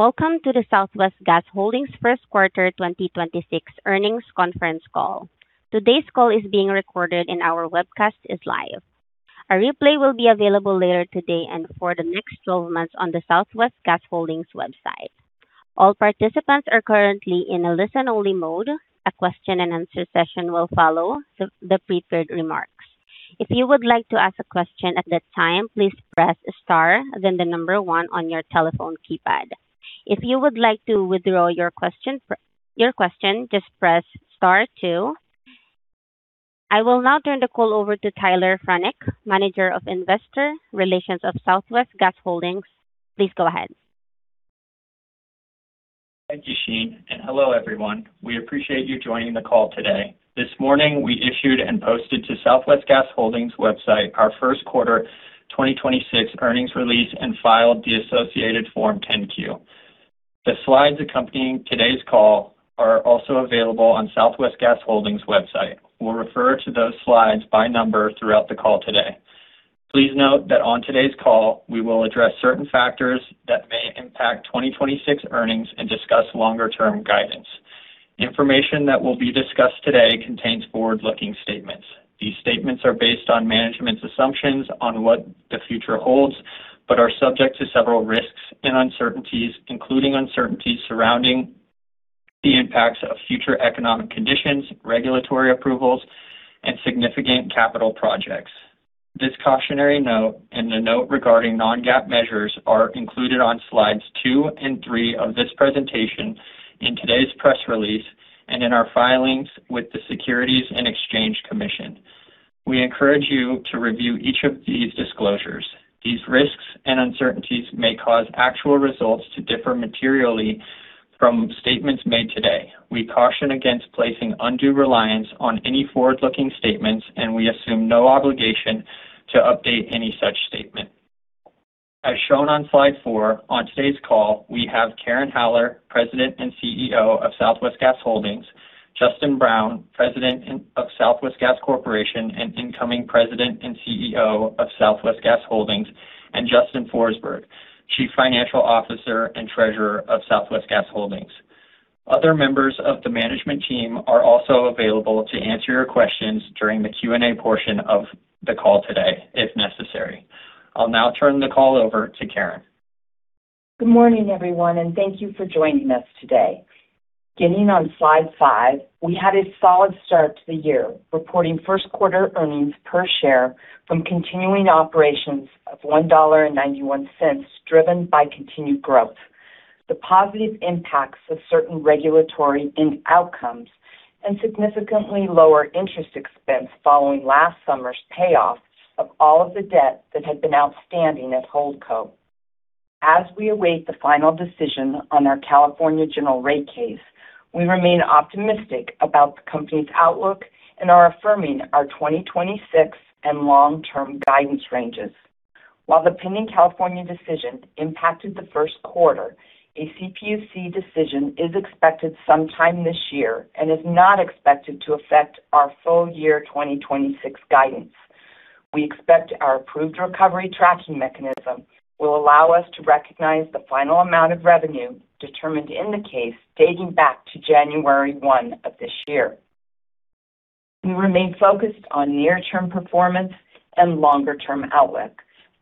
Welcome to the Southwest Gas Holdings 1st quarter 2026 earnings conference call. Today's call is being recorded, and our webcast is live. A replay will be available later today and for the next 12 months on the Southwest Gas Holdings website. All participants are currently in a listen-only mode. A question-and-answer session will follow the prepared remarks. If you would like to ask a question at this time, please press star then number one on your telephone keypad. If you would like to withdraw your question, just press star two. I will now turn the call over to Tyler Franek, Manager of Investor Relations of Southwest Gas Holdings. Please go ahead. Thank you, Sheen, and hello, everyone. We appreciate you joining the call today. This morning, we issued and posted to Southwest Gas Holdings website our first quarter 2026 earnings release and filed the associated Form 10-Q. The slides accompanying today's call are also available on Southwest Gas Holdings website. We'll refer to those slides by number throughout the call today. Please note that on today's call, we will address certain factors that may impact 2026 earnings and discuss longer-term guidance. Information that will be discussed today contains forward-looking statements. These statements are based on management's assumptions on what the future holds, but are subject to several risks and uncertainties, including uncertainties surrounding the impacts of future economic conditions, regulatory approvals, and significant capital projects. This cautionary note and the note regarding non-GAAP measures are included on slides two and three of this presentation, in today's press release, and in our filings with the Securities and Exchange Commission. We encourage you to review each of these disclosures. These risks and uncertainties may cause actual results to differ materially from statements made today. We caution against placing undue reliance on any forward-looking statements, and we assume no obligation to update any such statement. As shown on slide four, on today's call, we have Karen Haller, President and CEO of Southwest Gas Holdings; Justin Brown, President of Southwest Gas Corporation and incoming President and CEO of Southwest Gas Holdings; and Justin Forsberg, Chief Financial Officer and Treasurer of Southwest Gas Holdings. Other members of the management team are also available to answer your questions during the Q and A portion of the call today if necessary. I'll now turn the call over to Karen. Good morning, everyone, and thank you for joining us today. Getting on slide five, we had a solid start to the year, reporting first quarter earnings per share from continuing operations of $1.91, driven by continued growth. The positive impacts of certain regulatory and outcomes and significantly lower interest expense following last summer's payoff of all of the debt that had been outstanding at Holdco. As we await the final decision on our California general rate case, we remain optimistic about the company's outlook and are affirming our 2026 and long-term guidance ranges. While the pending California decision impacted the first quarter, a CPUC decision is expected sometime this year and is not expected to affect our full year 2026 guidance. We expect our approved recovery tracking mechanism will allow us to recognize the final amount of revenue determined in the case dating back to January one of this year. We remain focused on near-term performance and longer-term outlook,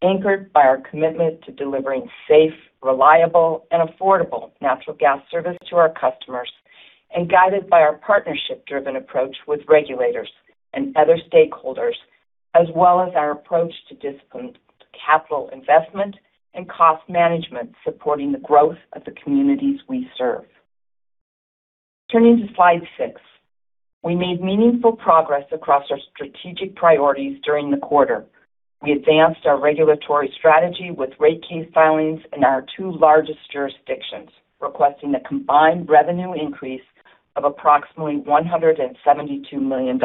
anchored by our commitment to delivering safe, reliable, and affordable natural gas service to our customers and guided by our partnership-driven approach with regulators and other stakeholders, as well as our approach to disciplined capital investment and cost management supporting the growth of the communities we serve. Turning to slide six. We made meaningful progress across our strategic priorities during the quarter. We advanced our regulatory strategy with rate case filings in our two largest jurisdictions, requesting a combined revenue increase of approximately $172 million.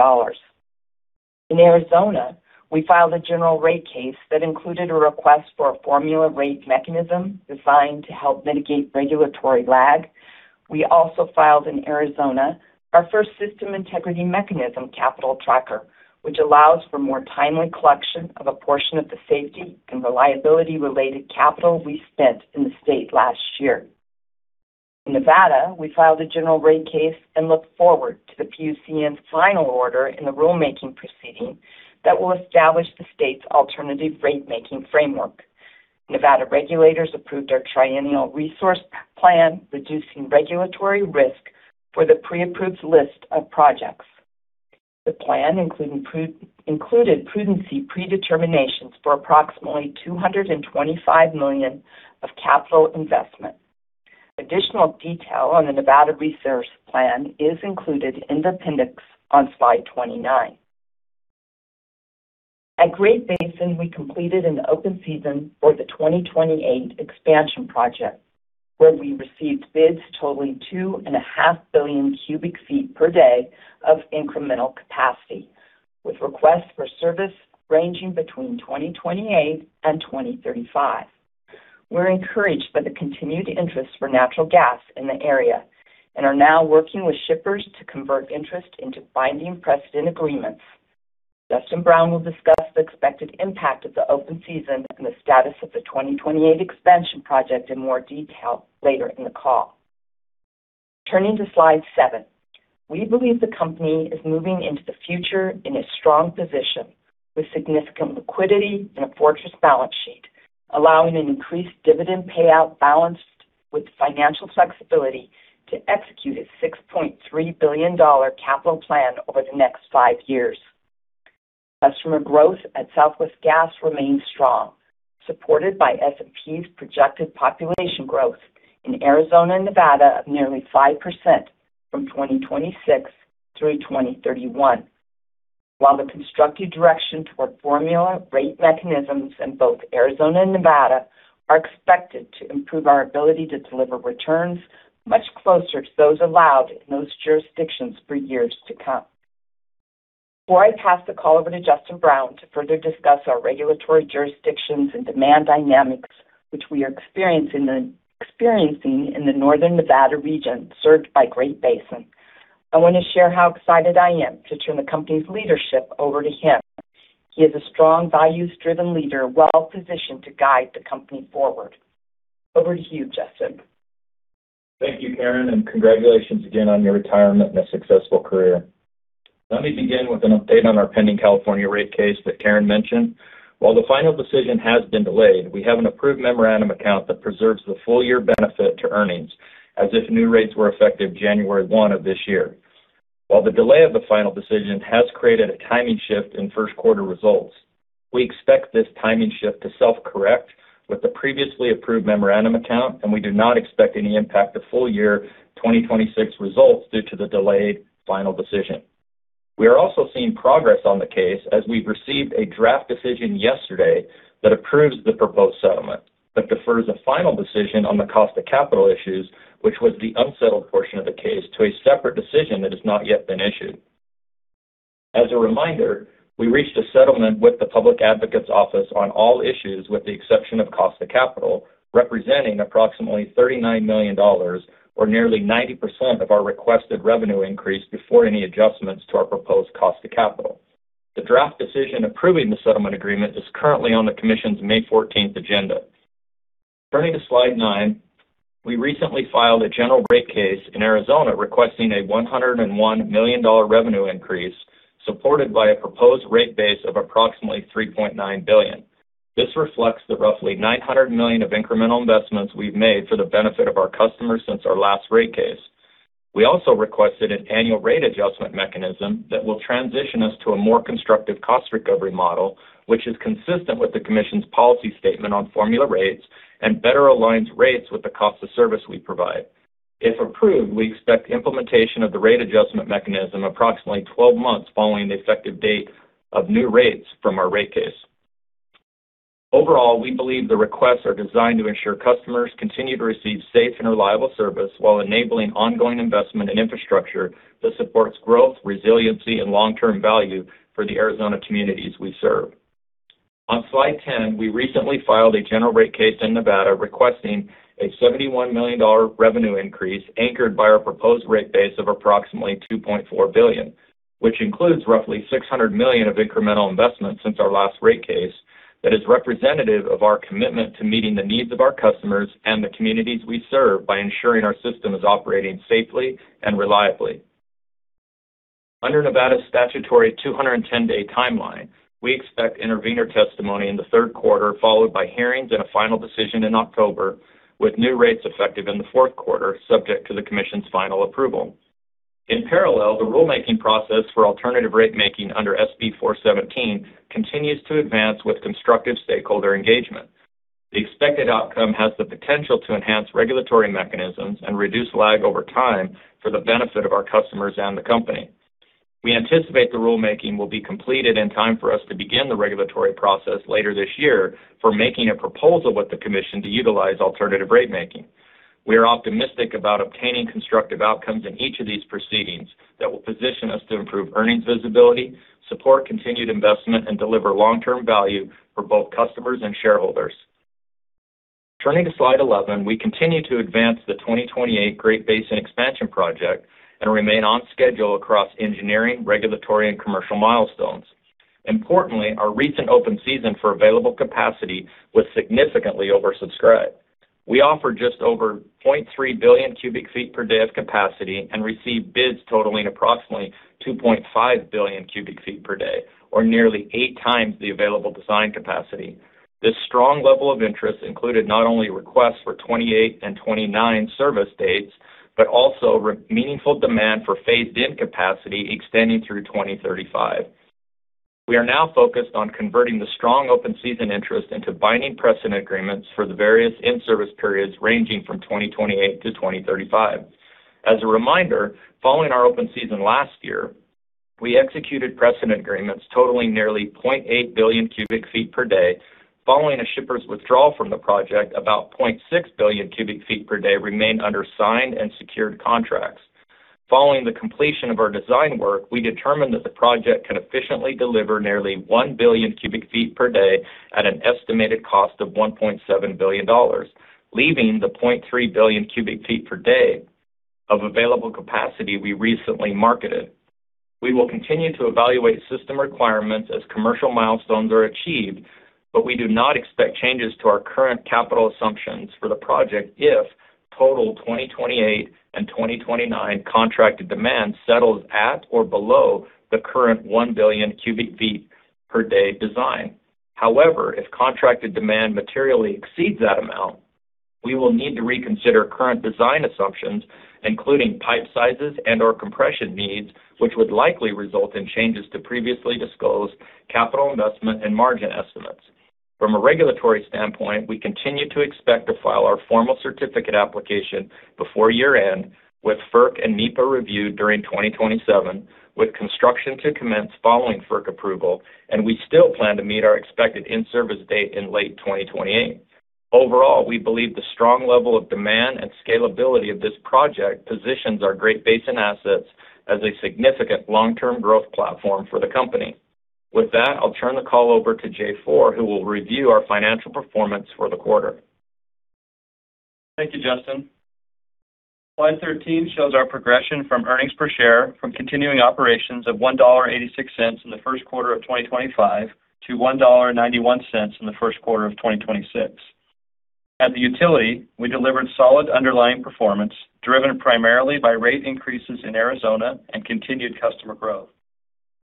In Arizona, we filed a general rate case that included a request for a formula rate mechanism designed to help mitigate regulatory lag. We also filed in Arizona our first system integrity mechanism capital tracker, which allows for more timely collection of a portion of the safety and reliability-related capital we spent in the state last year. In Nevada, we filed a general rate case and look forward to the PUCN 's final order in the rulemaking proceeding that will establish the state's alternative rate-making framework. Nevada regulators approved our triennial resource plan, reducing regulatory risk for the pre-approved list of projects. The plan included prudency predeterminations for approximately $225 million of capital investment. Additional detail on the Nevada resource plan is included in the appendix on slide 29. At Great Basin, we completed an open season for the 2028 expansion project, where we received bids totaling 2.5 billion cu ft/day of incremental capacity, with requests for service ranging between 2028 and 2035. We're encouraged by the continued interest for natural gas in the area and are now working with shippers to convert interest into binding precedent agreements. Justin Brown will discuss the expected impact of the open season and the status of the 2028 expansion project in more detail later in the call. Turning to slide seven. We believe the company is moving into the future in a strong position with significant liquidity and a fortress balance sheet, allowing an increased dividend payout balanced with financial flexibility to execute its $6.3 billion capital plan over the next five years. Customer growth at Southwest Gas remains strong, supported by S&P's projected population growth in Arizona and Nevada of nearly 5% from 2026 through 2031. The constructive direction toward formula rate mechanisms in both Arizona and Nevada are expected to improve our ability to deliver returns much closer to those allowed in those jurisdictions for years to come. Before I pass the call over to Justin Brown to further discuss our regulatory jurisdictions and demand dynamics, which we are experiencing in the Northern Nevada region served by Great Basin, I want to share how excited I am to turn the company's leadership over to him. He is a strong, values-driven leader, well-positioned to guide the company forward. Over to you, Justin. Thank you, Karen, and congratulations again on your retirement and a successful career. Let me begin with an update on our pending California rate case that Karen mentioned. While the final decision has been delayed, we have an approved memorandum account that preserves the full-year benefit to earnings as if new rates were effective January 1 of this year. While the delay of the final decision has created a timing shift in first quarter results, we expect this timing shift to self-correct with the previously approved memorandum account, and we do not expect any impact to full-year 2026 results due to the delayed final decision. We are also seeing progress on the case as we've received a draft decision yesterday that approves the proposed settlement, but defers a final decision on the cost of capital issues, which was the unsettled portion of the case, to a separate decision that has not yet been issued. As a reminder, we reached a settlement with the Public Advocates Office on all issues with the exception of cost of capital, representing approximately $39 million or nearly 90% of our requested revenue increase before any adjustments to our proposed cost of capital. The draft decision approving the settlement agreement is currently on the Commission's May 14th agenda. Turning to slide nine. We recently filed a general rate case in Arizona requesting a $101 million revenue increase, supported by a proposed rate base of approximately $3.9 billion. This reflects the roughly $900 million of incremental investments we've made for the benefit of our customers since our last rate case. We also requested an annual rate adjustment mechanism that will transition us to a more constructive cost recovery model, which is consistent with the Commission's policy statement on formula rates and better aligns rates with the cost of service we provide. If approved, we expect implementation of the rate adjustment mechanism approximately 12 months following the effective date of new rates from our rate case. Overall, we believe the requests are designed to ensure customers continue to receive safe and reliable service while enabling ongoing investment in infrastructure that supports growth, resiliency, and long-term value for the Arizona communities we serve. On slide 10, we recently filed a general rate case in Nevada requesting a $71 million revenue increase anchored by our proposed rate base of approximately $2.4 billion, which includes roughly $600 million of incremental investments since our last rate case that is representative of our commitment to meeting the needs of our customers and the communities we serve by ensuring our system is operating safely and reliably. Under Nevada's statutory 210-day timeline, we expect intervener testimony in the third quarter, followed by hearings and a final decision in October, with new rates effective in the fourth quarter, subject to the Commission's final approval. In parallel, the rulemaking process for alternative rate making under SB 417 continues to advance with constructive stakeholder engagement. The expected outcome has the potential to enhance regulatory mechanisms and reduce lag over time for the benefit of our customers and the company. We anticipate the rulemaking will be completed in time for us to begin the regulatory process later this year for making a proposal with the Commission to utilize alternative rate making. We are optimistic about obtaining constructive outcomes in each of these proceedings that will position us to improve earnings visibility, support continued investment, and deliver long-term value for both customers and shareholders. Turning to slide 11, we continue to advance the 2028 Great Basin expansion project and remain on schedule across engineering, regulatory, and commercial milestones. Importantly, our recent open season for available capacity was significantly oversubscribed. We offered just over 0.3 billion cu ft/day of capacity and received bids totaling approximately 2.5 billion cu ft/day, or nearly 8x the available design capacity. This strong level of interest included not only requests for 28 and 29 service dates, but also meaningful demand for phased-in capacity extending through 2035. We are now focused on converting the strong open season interest into binding precedent agreements for the various in-service periods ranging from 2028 to 2035. As a reminder, following our open season last year, we executed precedent agreements totaling nearly 0.8 billion cu ft/day. Following a shipper's withdrawal from the project, about 0.6 billion cu ft/day remained under signed and secured contracts. Following the completion of our design work, we determined that the project can efficiently deliver nearly 1 billion cu ft/day at an estimated cost of $1.7 billion, leaving the 0.3 billion cu ft/day of available capacity we recently marketed. We will continue to evaluate system requirements as commercial milestones are achieved, but we do not expect changes to our current capital assumptions for the project if total 2028 and 2029 contracted demand settles at or below the current 1 billion cu ft/day design. However, if contracted demand materially exceeds that amount, we will need to reconsider current design assumptions, including pipe sizes and or compression needs, which would likely result in changes to previously disclosed capital investment and margin estimates. From a regulatory standpoint, we continue to expect to file our formal certificate application before year-end, with FERC and NEPA review during 2027, with construction to commence following FERC approval, and we still plan to meet our expected in-service date in late 2028. We believe the strong level of demand and scalability of this project positions our Great Basin assets as a significant long-term growth platform for the company. With that, I'll turn the call over to Justin Forsberg, who will review our financial performance for the quarter. Thank you, Justin. Slide 13 shows our progression from earnings per share from continuing operations of $1.86 in the first quarter of 2025 to $1.91 in the first quarter of 2026. At the utility, we delivered solid underlying performance, driven primarily by rate increases in Arizona and continued customer growth.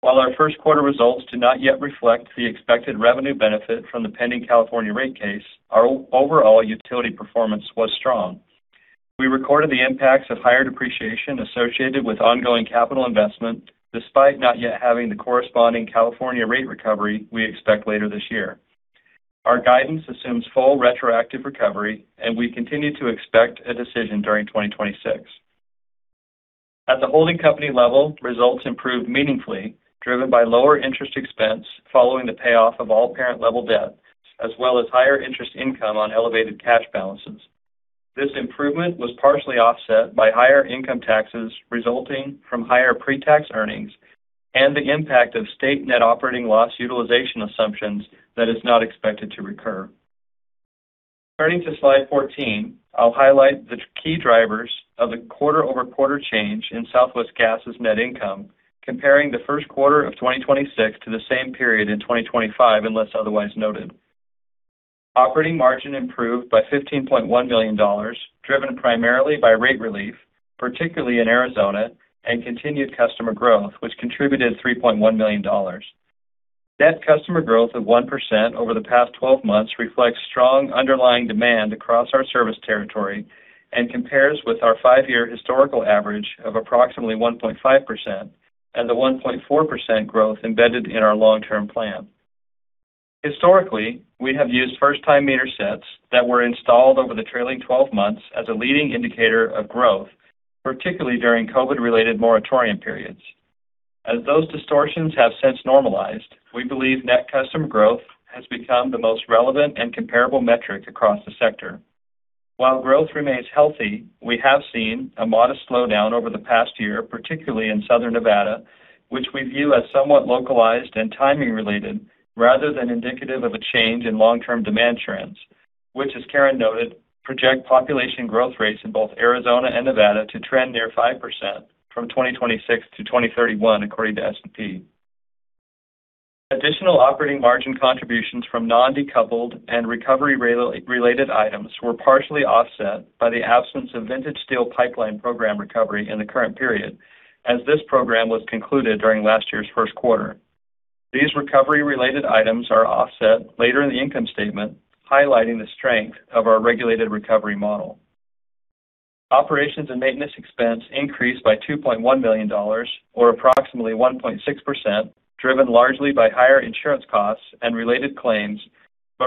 While our first quarter results do not yet reflect the expected revenue benefit from the pending California rate case, our overall utility performance was strong. We recorded the impacts of higher depreciation associated with ongoing capital investment, despite not yet having the corresponding California rate recovery we expect later this year. Our guidance assumes full retroactive recovery, and we continue to expect a decision during 2026. At the holding company level, results improved meaningfully, driven by lower interest expense following the payoff of all parent-level debt, as well as higher interest income on elevated cash balances. This improvement was partially offset by higher income taxes resulting from higher pre-tax earnings and the impact of state net operating loss utilization assumptions that is not expected to recur. Turning to slide 14, I'll highlight the key drivers of the quarter-over-quarter change in Southwest Gas's net income, comparing the first quarter of 2026 to the same period in 2025, unless otherwise noted. Operating margin improved by $15.1 million, driven primarily by rate relief, particularly in Arizona, and continued customer growth, which contributed $3.1 million. Net customer growth of 1% over the past 12 months reflects strong underlying demand across our service territory and compares with our five year historical average of approximately 1.5% and the 1.4% growth embedded in our long-term plan. Historically, we have used first-time meter sets that were installed over the trailing 12 months as a leading indicator of growth, particularly during COVID-related moratorium periods. As those distortions have since normalized, we believe net customer growth has become the most relevant and comparable metric across the sector. While growth remains healthy, we have seen a modest slowdown over the past year, particularly in Southern Nevada, which we view as somewhat localized and timing-related rather than indicative of a change in long-term demand trends, which, as Karen noted, project population growth rates in both Arizona and Nevada to trend near 5% from 2026 to 2031, according to S&P. Additional operating margin contributions from non-decoupled and recovery-related items were partially offset by the absence of Vintage Steel Pipeline Program recovery in the current period, as this program was concluded during last year's first quarter. These recovery-related items are offset later in the income statement, highlighting the strength of our regulated recovery model. Operations and maintenance expense increased by $2.1 million, or approximately 1.6%,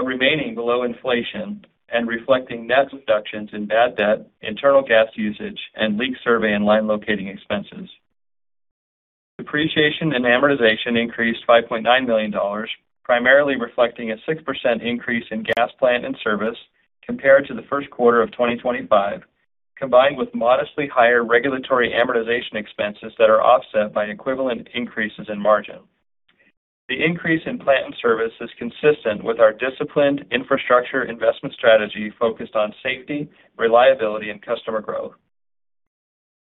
remaining below inflation and reflecting net deductions in bad debt, internal gas usage, and leak survey and line locating expenses. Depreciation and amortization increased $5.9 million, primarily reflecting a 6% increase in gas plant and service compared to the first quarter of 2025, combined with modestly higher regulatory amortization expenses that are offset by equivalent increases in margin. The increase in plant and service is consistent with our disciplined infrastructure investment strategy focused on safety, reliability, and customer growth.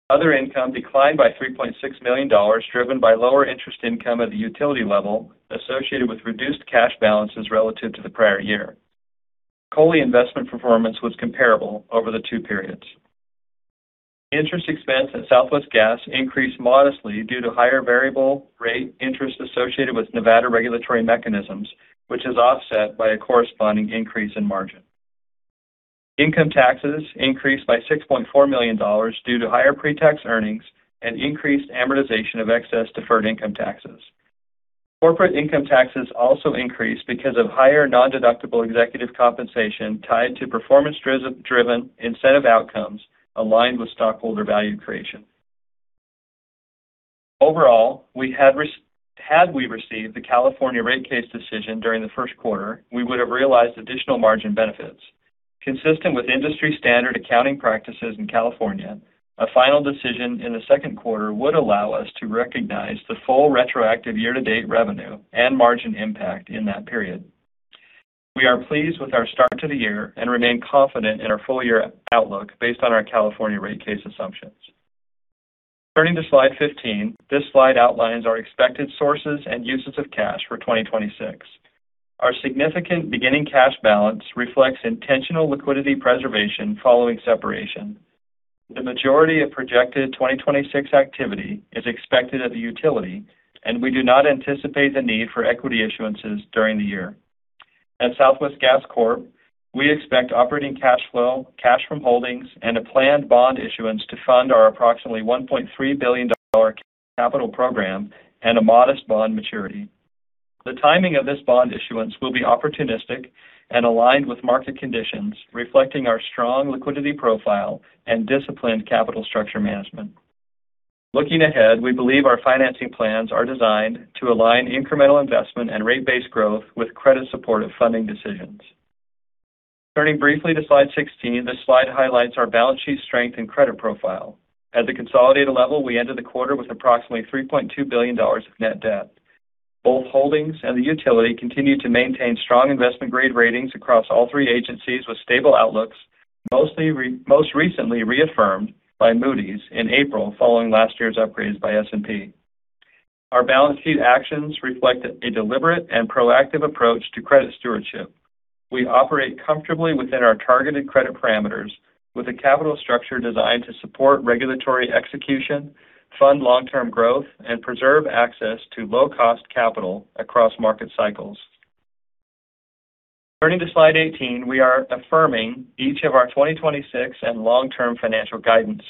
Other income declined by $3.6 million, driven by lower interest income at the utility level associated with reduced cash balances relative to the prior year. COLI investment performance was comparable over the two periods. Interest expense at Southwest Gas increased modestly due to higher variable rate interest associated with Nevada regulatory mechanisms, which is offset by a corresponding increase in margin. Income taxes increased by $6.4 million due to higher pre-tax earnings and increased amortization of excess deferred income taxes. Corporate income taxes also increased because of higher non-deductible executive compensation tied to performance-driven incentive outcomes aligned with stockholder value creation. Overall, we had we received the California rate case decision during the first quarter, we would have realized additional margin benefits. Consistent with industry-standard accounting practices in California, a final decision in the second quarter would allow us to recognize the full retroactive year-to-date revenue and margin impact in that period. We are pleased with our start to the year and remain confident in our full-year outlook based on our California rate case assumptions. Turning to slide 15, this slide outlines our expected sources and uses of cash for 2026. Our significant beginning cash balance reflects intentional liquidity preservation following separation. The majority of projected 2026 activity is expected at the utility, and we do not anticipate the need for equity issuances during the year. At Southwest Gas Corp, we expect operating cash flow, cash from holdings, and a planned bond issuance to fund our approximately $1.3 billion capital program and a modest bond maturity. The timing of this bond issuance will be opportunistic and aligned with market conditions, reflecting our strong liquidity profile and disciplined capital structure management. Looking ahead, we believe our financing plans are designed to align incremental investment and rate-based growth with credit-supportive funding decisions. Turning briefly to slide 16, this slide highlights our balance sheet strength and credit profile. At the consolidated level, we ended the quarter with approximately $3.2 billion of net debt. Both holdings and the utility continue to maintain strong investment-grade ratings across all three agencies with stable outlooks, most recently reaffirmed by Moody's in April following last year's upgrades by S&P. Our balance sheet actions reflect a deliberate and proactive approach to credit stewardship. We operate comfortably within our targeted credit parameters with a capital structure designed to support regulatory execution, fund long-term growth, and preserve access to low-cost capital across market cycles. Turning to slide 18, we are affirming each of our 2026 and long-term financial guidance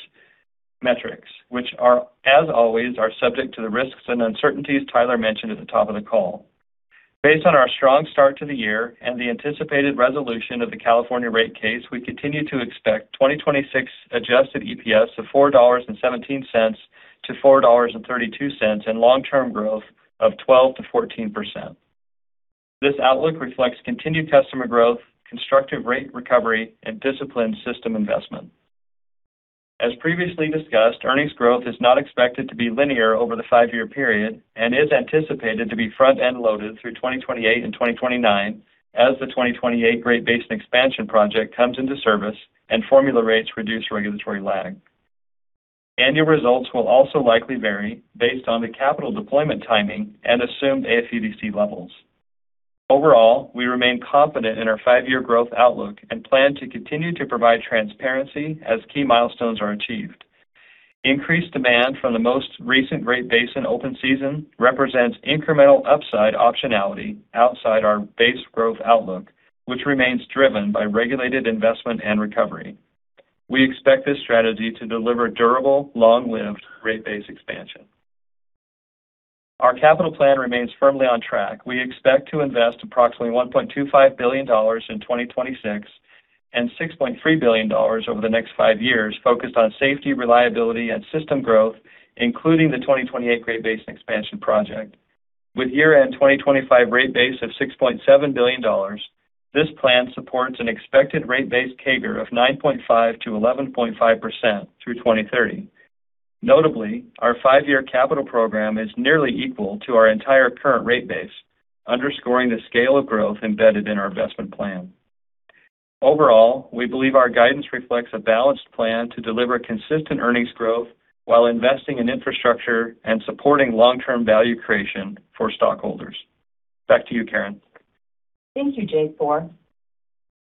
metrics, which are, as always, subject to the risks and uncertainties Tyler mentioned at the top of the call. Based on our strong start to the year and the anticipated resolution of the California rate case, we continue to expect 2026 Adjusted EPS of $4.17 to $4.32 and long-term growth of 12%-14%. This outlook reflects continued customer growth, constructive rate recovery, and disciplined system investment. As previously discussed, earnings growth is not expected to be linear over the five year period and is anticipated to be front-end loaded through 2028 and 2029 as the 2028 Great Basin expansion project comes into service and formula rates reduce regulatory lag. Annual results will also likely vary based on the capital deployment timing and assumed AFUDC levels. Overall, we remain confident in our five year growth outlook and plan to continue to provide transparency as key milestones are achieved. Increased demand from the most recent Great Basin open season represents incremental upside optionality outside our base growth outlook, which remains driven by regulated investment and recovery. We expect this strategy to deliver durable, long-lived rate base expansion. Our capital plan remains firmly on track. We expect to invest approximately $1.25 billion in 2026 and $6.3 billion over the next five years, focused on safety, reliability, and system growth, including the 2028 Great Basin expansion project. With year-end 2025 rate base of $6.7 billion, this plan supports an expected rate base CAGR of 9.5%-11.5% through 2030. Notably, our five year capital program is nearly equal to our entire current rate base, underscoring the scale of growth embedded in our investment plan. Overall, we believe our guidance reflects a balanced plan to deliver consistent earnings growth while investing in infrastructure and supporting long-term value creation for stockholders. Back to you, Karen. Thank you, Justin Forsberg.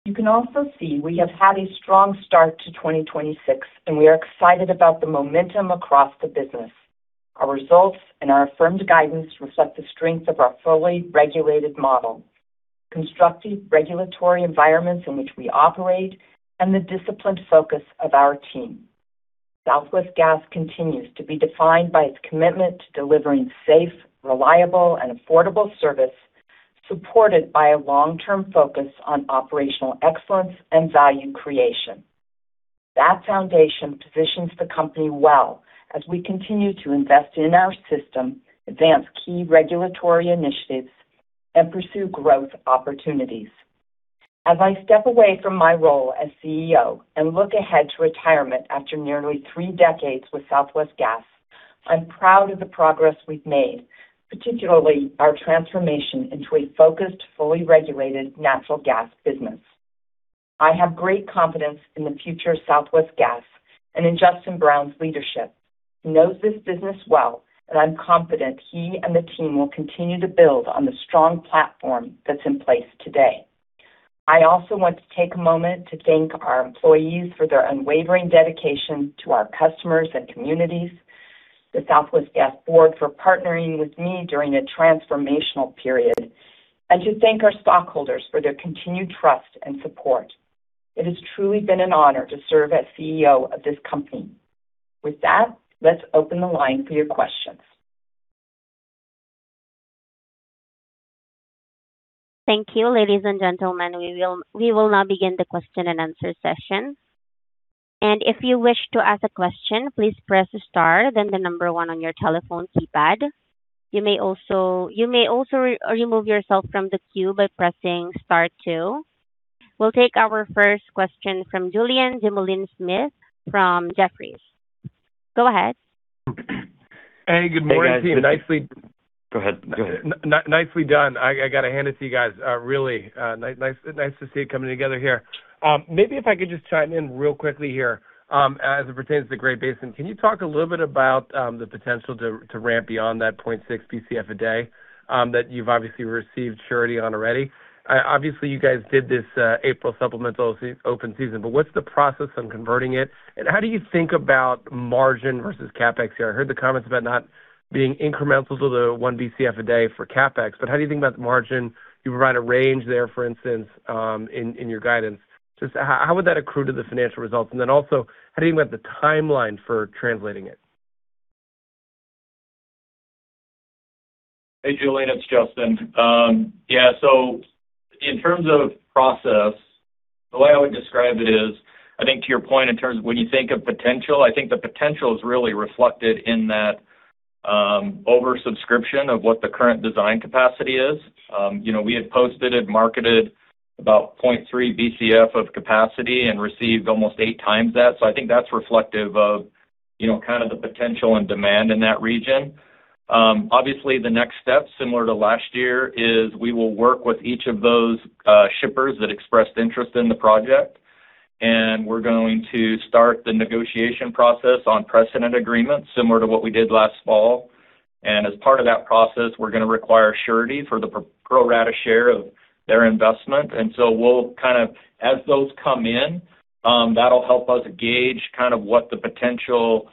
You can also see we have had a strong start to 2026. We are excited about the momentum across the business. Our results and our affirmed guidance reflect the strength of our fully regulated model, constructive regulatory environments in which we operate, and the disciplined focus of our team. Southwest Gas continues to be defined by its commitment to delivering safe, reliable, and affordable service, supported by a long-term focus on operational excellence and value creation. That foundation positions the company well as we continue to invest in our system, advance key regulatory initiatives, and pursue growth opportunities. As I step away from my role as CEO and look ahead to retirement after nearly three decades with Southwest Gas, I'm proud of the progress we've made, particularly our transformation into a focused, fully regulated natural gas business. I have great confidence in the future of Southwest Gas and in Justin Brown's leadership. He knows this business well, and I'm confident he and the team will continue to build on the strong platform that's in place today. I also want to take a moment to thank our employees for their unwavering dedication to our customers and communities, the Southwest Gas board for partnering with me during a transformational period, and to thank our stockholders for their continued trust and support. It has truly been an honor to serve as CEO of this company. With that, let's open the line for your questions. Thank you, ladies and gentlemen. We will now begin the question-and-answer session. If you wish to ask a question, please press star then the number one on your telephone keypad. You may also remove yourself from the queue by pressing star two. We'll take our first question from Julien Dumoulin-Smith from Jefferies. Go ahead. Hey, good morning. Hey, guys. Nicely- Go ahead. Go ahead. Nicely done. I gotta hand it to you guys. really nice to see it coming together here. maybe if I could just chime in real quickly here, as it pertains to Great Basin. Can you talk a little bit about the potential to ramp beyond that 0.6 billion cu ft a day that you've obviously received surety on already. obviously, you guys did this April supplemental open season, but what's the process on converting it? How do you think about margin versus CapEx here? I heard the comments about not being incremental to the 1 billion cu ft a day for CapEx, but how do you think about the margin? You provide a range there, for instance, in your guidance. Just how would that accrue to the financial results? Also, how do you go about the timeline for translating it? Hey, Julien, it's Justin. Yeah. In terms of process, the way I would describe it is, I think to your point in terms of when you think of potential, I think the potential is really reflected in that oversubscription of what the current design capacity is. You know, we had posted and marketed about 0.3 billion cu ft of capacity and received almost 8x that. I think that's reflective of, you know, kind of the potential and demand in that region. Obviously, the next step, similar to last year, is we will work with each of those shippers that expressed interest in the project, and we're going to start the negotiation process on precedent agreements similar to what we did last fall. As part of that process, we're gonna require surety for the pro rata share of their investment. As those come in, that'll help us gauge kind of what the potential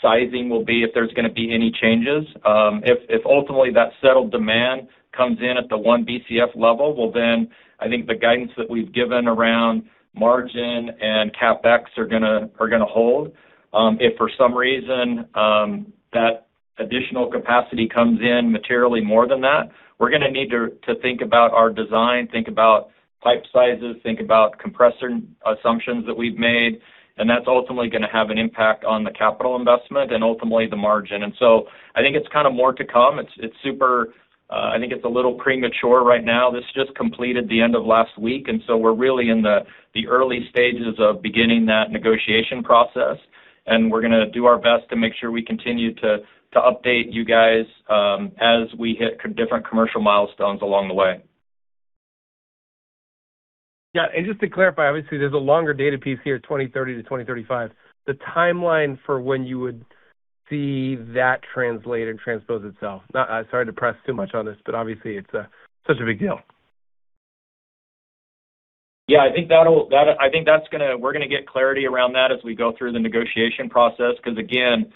sizing will be, if there's gonna be any changes. If, if ultimately that settled demand comes in at the 1 billion cu ft level, well, then I think the guidance that we've given around margin and CapEx are gonna hold. If for some reason, that additional capacity comes in materially more than that, we're gonna need to think about our design, think about pipe sizes, think about compressor assumptions that we've made, and that's ultimately gonna have an impact on the capital investment and ultimately the margin. I think it's kinda more to come. I think it's a little premature right now. This just completed the end of last week. We're really in the early stages of beginning that negotiation process. We're gonna do our best to make sure we continue to update you guys, as we hit different commercial milestones along the way. Yeah. Just to clarify, obviously, there's a longer data piece here, 2030 to 2035. The timeline for when you would see that translate and transpose itself. Sorry to press too much on this, obviously it's such a big deal. Yeah, I think we're gonna get clarity around that as we go through the negotiation process. Cause again,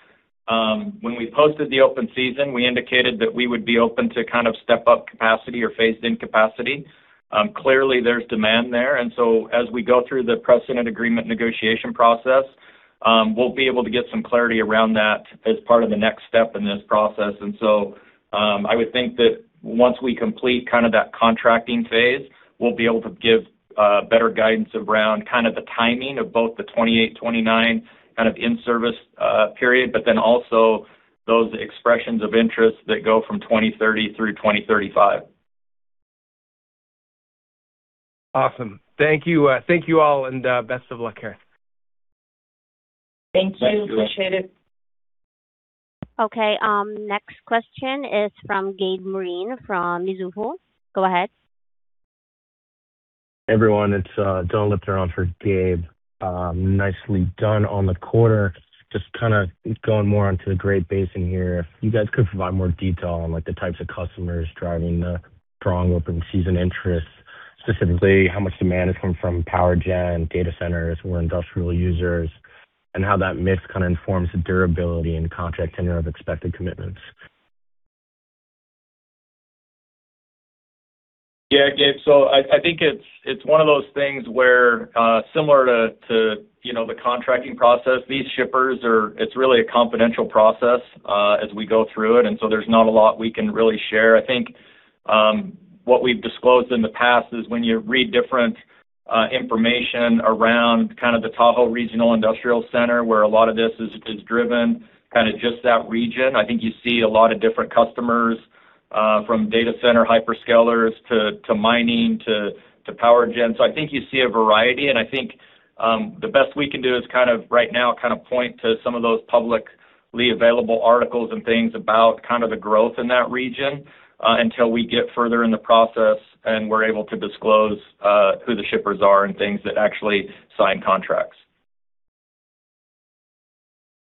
when we posted the open season, we indicated that we would be open to kind of step up capacity or phase in capacity. Clearly there's demand there, as we go through the precedent agreement negotiation process, we'll be able to get some clarity around that as part of the next step in this process. I would think that once we complete kinda that contracting phase, we'll be able to give better guidance around kind of the timing of both the 2028, 2029 kind of in-service period, also those expressions of interest that go from 2030 through 2035. Awesome. Thank you. Thank you all, and best of luck here. Thank you. Thank you. Appreciate it. Okay, next question is from Gabe Moreen from Mizuho. Go ahead. Everyone, it's Don Li for Gabe. Nicely done on the quarter. Just kinda going more onto the Great Basin here. If you guys could provide more detail on, like, the types of customers driving the strong open season interest, specifically how much demand is coming from power gen, data centers or industrial users, and how that mix kinda informs the durability and contract tenure of expected commitments. Yeah, Gabe. I think it's one of those things where, similar to, you know, the contracting process, these shippers, it's really a confidential process, as we go through it, there's not a lot we can really share. I think, what we've disclosed in the past is when you read different information around kind of the Tahoe Regional Industrial Center, where a lot of this is driven, kinda just that region, I think you see a lot of different customers, from data center hyperscalers to mining, to power gen. I think you see a variety, and I think, the best we can do is kind of right now, kind of point to some of those publicly available articles and things about kind of the growth in that region, until we get further in the process and we're able to disclose, who the shippers are and things that actually sign contracts.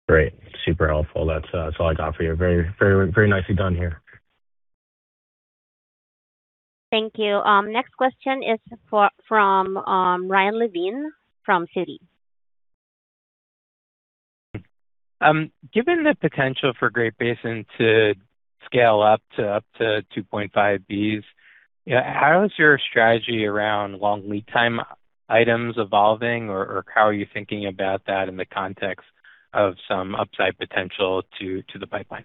Great. Super helpful. That's all I got for you. Very nicely done here. Thank you. Next question is from Ryan Levine from Citi. Given the potential for Great Basin to scale up to 2.5 billion cu ft, how is your strategy around long lead time items evolving or how are you thinking about that in the context of some upside potential to the pipeline?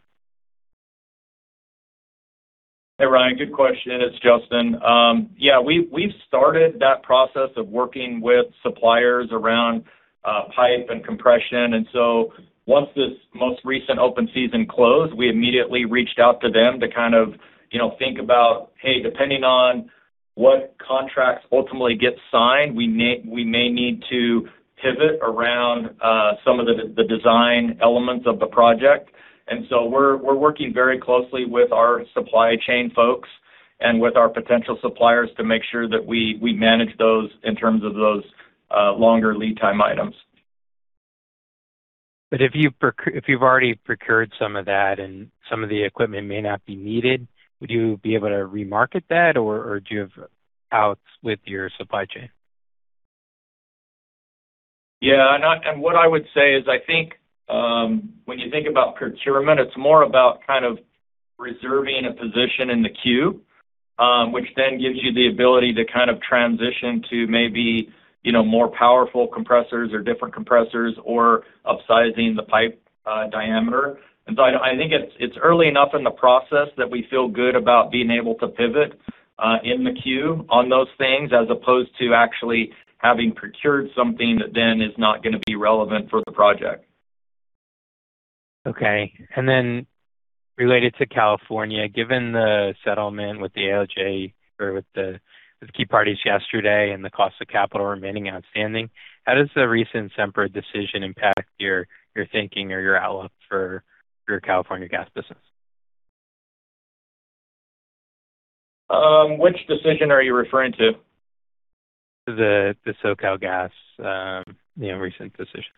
Hey, Ryan, good question. It's Justin. Yeah, we've started that process of working with suppliers around pipe and compression. Once this most recent open season closed, we immediately reached out to them to kind of, you know, think about, hey, depending on what contracts ultimately get signed, we may need to pivot around some of the design elements of the project. We're working very closely with our supply chain folks and with our potential suppliers to make sure that we manage those in terms of those longer lead time items. If you've already procured some of that and some of the equipment may not be needed, would you be able to remarket that or do you have outs with your supply chain? Yeah. What I would say is I think, when you think about procurement, it's more about kind of reserving a position in the queue, which then gives you the ability to kind of transition to maybe, you know, more powerful compressors or different compressors or upsizing the pipe diameter. I think it's early enough in the process that we feel good about being able to pivot in the queue on those things as opposed to actually having procured something that then is not gonna be relevant for the project. Okay. Related to California, given the settlement with the ALJ or with the key parties yesterday and the cost of capital remaining outstanding, how does the recent Sempra decision impact your thinking or your outlook for your California gas business? Which decision are you referring to? The SoCalGas, you know, recent decision.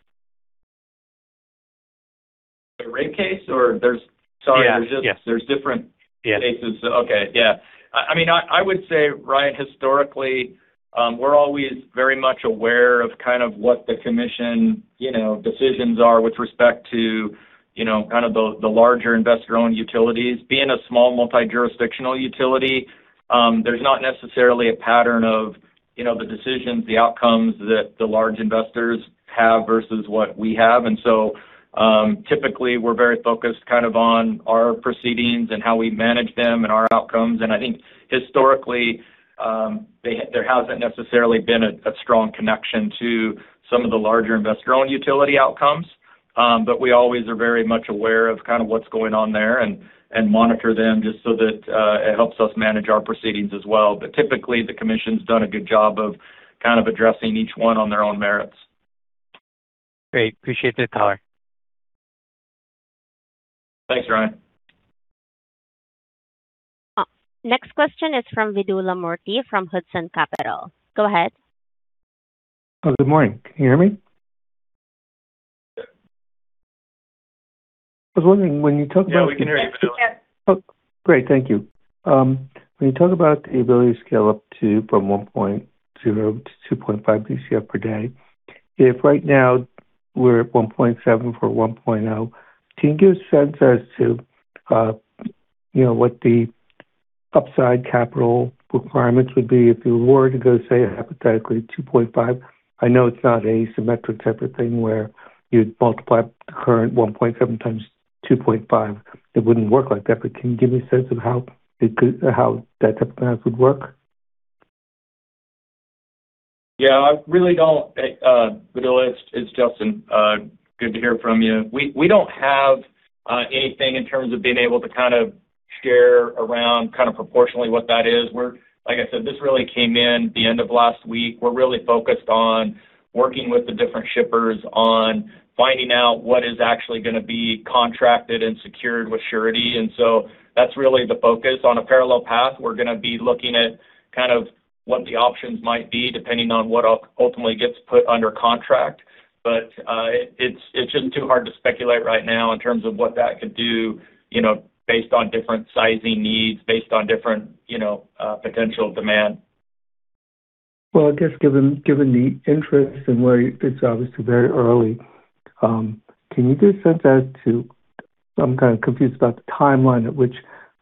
The rate case or there's. Yeah. Sorry, there's just. Yes. There's. Yes Okay. Yeah. I mean, I would say, Ryan, historically, we're always very much aware of kind of what the commission decisions are with respect to kind of the larger investor-owned utilities. Being a small multi-jurisdictional utility, there's not necessarily a pattern of the decisions, the outcomes that the large investors have versus what we have. Typically we're very focused kind of on our proceedings and how we manage them and our outcomes. I think historically, there hasn't necessarily been a strong connection to some of the larger investor-owned utility outcomes. We always are very much aware of kind of what's going on there and monitor them just so that it helps us manage our proceedings as well. Typically, the commission's done a good job of kind of addressing each one on their own merits. Great. Appreciate it, Tyler. Thanks, Ryan. Next question is from Vidula Murti from Hudson Capital. Go ahead. Oh, good morning. Can you hear me? I was wondering, when you talk about. Yeah, we can hear you, Vidula. Yes. Great. Thank you. When you talk about the ability to scale up to from 1.0 billion cu ft/day to 2.5 billion cu ft/day, if right now we're at $1.7 billion for 1.0 billion cu ft, can you give a sense as to, you know, what the upside capital requirements would be if you were to go, say, hypothetically 2.5? I know it's not a symmetric type of thing where you'd multiply the current 1.7x 2.5. It wouldn't work like that. Can you give me a sense of how that type of math would work? Yeah. I really don't, Vidula, it's Justin. Good to hear from you. We, we don't have anything in terms of being able to kind of share around kinda proportionally what that is. Like I said, this really came in the end of last week. We're really focused on working with the different shippers on finding out what is actually gonna be contracted and secured with surety. That's really the focus. On a parallel path, we're gonna be looking at kind of what the options might be depending on what ultimately gets put under contract. It's just too hard to speculate right now in terms of what that could do, you know, based on different sizing needs, based on different, you know, potential demand. I guess given the interest and where it's obviously very early, can you give a sense as to, so I'm kind of confused about the timeline at which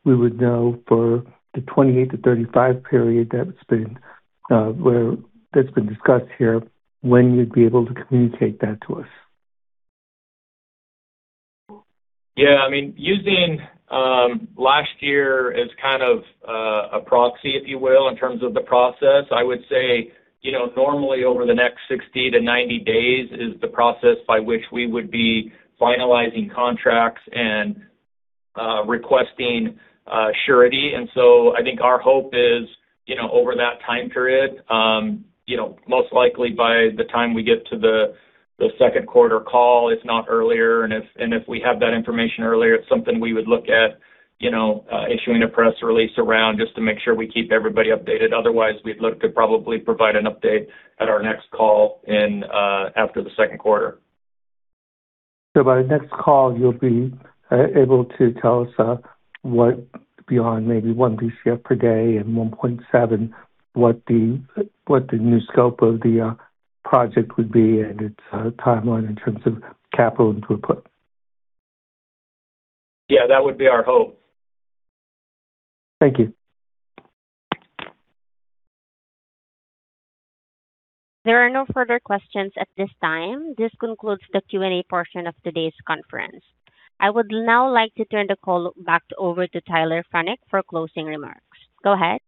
we would know for the 2028 to 2035 period that's been where that's been discussed here, when you'd be able to communicate that to us? Yeah. I mean, using, last year as kind of a proxy, if you will, in terms of the process, I would say, you know, normally over the next 60 to 90 days is the process by which we would be finalizing contracts and, requesting, surety. I think our hope is, you know, over that time period, you know, most likely by the time we get to the second quarter call, if not earlier. If we have that information earlier, it's something we would look at, you know, issuing a press release around just to make sure we keep everybody updated. Otherwise, we'd look to probably provide an update at our next call in, after the second quarter. By next call, you'll be able to tell us what beyond maybe 1 billion cu ft per day and 1.7, what the new scope of the project would be and its timeline in terms of capital input? Yeah, that would be our hope. Thank you. There are no further questions at this time. This concludes the Q and A portion of today's conference. I would now like to turn the call back over to Tyler Franek for closing remarks. Go ahead.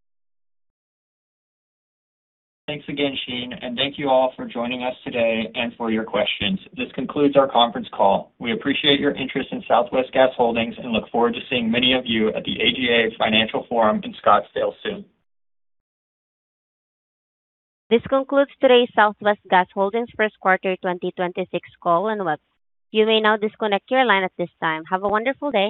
Thanks again, Sheen, thank you all for joining us today and for your questions. This concludes our conference call. We appreciate your interest in Southwest Gas Holdings and look forward to seeing many of you at the AGA Financial Forum in Scottsdale soon. This concludes today's Southwest Gas Holdings first quarter 2026 call and web. You may now disconnect your line at this time. Have a wonderful day.